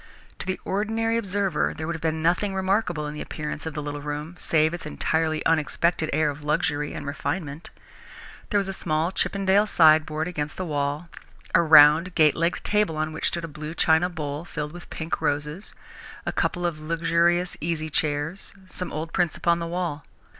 To the ordinary observer there would have been nothing remarkable in the appearance of the little room, save its entirely unexpected air of luxury and refinement. There was a small Chippendale sideboard against the wall, a round, gate legged table on which stood a blue china bowl filled with pink roses, a couple of luxurious easy chairs, some old prints upon the wall.